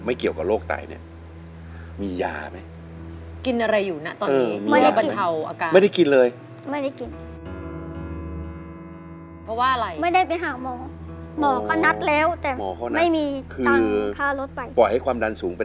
เกี่ยวกับโรคไตเนี่ยมียาไหม